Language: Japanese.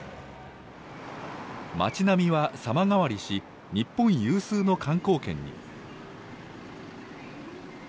街並みは様変わりし、日本有数の観光県に。